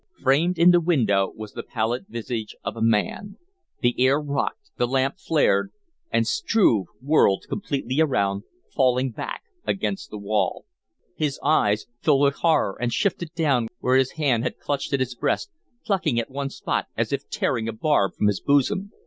Framed in the window was the pallid visage of a man. The air rocked, the lamp flared, and Struve whirled completely around, falling back against the wall. His eyes filled with horror and shifted down where his hand had clutched at his breast, plucking at one spot as if tearing a barb from his bosom.